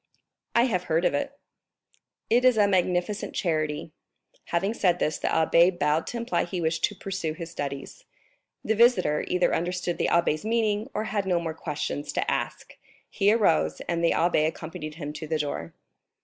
"I have heard of it." "It is a magnificent charity." Having said this, the abbé bowed to imply he wished to pursue his studies. The visitor either understood the abbé's meaning, or had no more questions to ask; he arose, and the abbé accompanied him to the door.